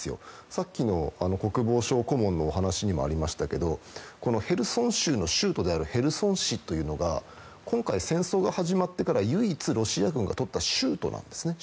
さっきの国防省顧問のお話にもありましたけどもヘルソン州の州都であるヘルソン市というのが今回、戦争が始まってから唯一ロシア軍がとった州都なんですね。